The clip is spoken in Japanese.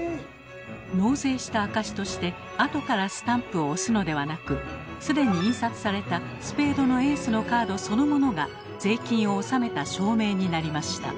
納税した証しとして後からスタンプを押すのではなく既に印刷されたスペードのエースのカードそのものが税金を納めた証明になりました。